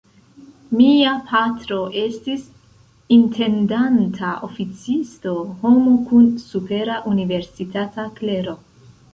Mia patro estis intendanta oficisto, homo kun supera universitata klero.